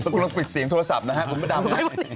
ต้องปิดเสียงโทรศัพท์นะครับ